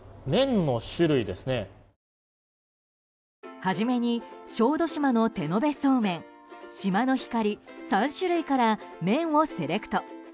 初めに小豆島の手延べそうめん島の光、３種類から麺をセレクト。